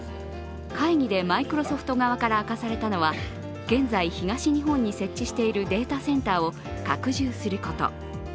会議でマイクロソフト側から明かされたのは現在、東日本に設置しているデータセンターを拡充すること。